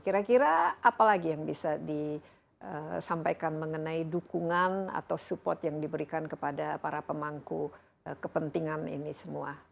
kira kira apa lagi yang bisa disampaikan mengenai dukungan atau support yang diberikan kepada para pemangku kepentingan ini semua